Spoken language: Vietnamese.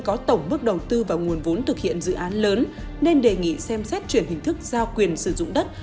có tổng mức đầu tư và nguồn vốn thực hiện dự án lớn nên đề nghị xem xét chuyển hình thức giao quyền sử dụng đất